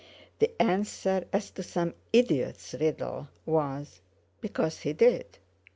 The answer—as to some idiot's riddle—was: Because he did.